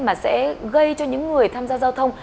mà sẽ gây cho những người tham gia giao thông